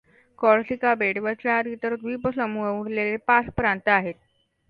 Corsica बेट व चार इतर द्वीपसमूह उरलेले पाच प्रांत आहेत.